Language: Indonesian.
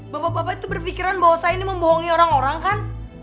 bapak bapak itu berpikiran bahwa saya ini membohongi orang orang kan